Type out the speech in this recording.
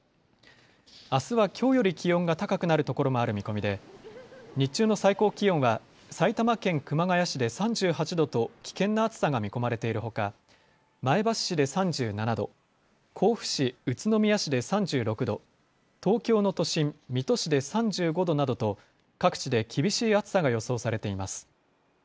あすはきょうより気温が高くなる所もある見込みで日中の最高気温は埼玉県熊谷市で３８度と危険な暑さが見込まれているほか前橋市で３７度、甲府市宇都宮市で３６度、東京の都心、水戸市で３５度などと各地で厳しい暑さが予想されています。